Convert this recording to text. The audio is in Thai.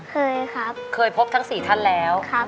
เคยครับเคยพบทั้ง๔ท่านแล้ว